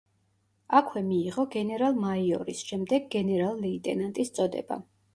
აქვე მიიღო გენერალ-მაიორის, შემდეგ გენერალ-ლეიტენანტის წოდება.